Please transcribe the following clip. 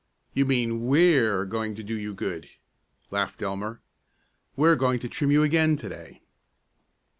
"You mean we're going to do you good," laughed Elmer. "We're going to trim you again to day."